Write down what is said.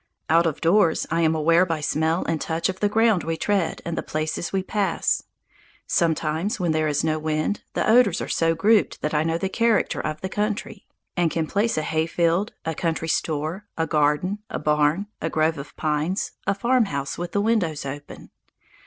Out of doors I am aware by smell and touch of the ground we tread and the places we pass. Sometimes, when there is no wind, the odours are so grouped that I know the character of the country, and can place a hayfield, a country store, a garden, a barn, a grove of pines, a farmhouse with the windows open.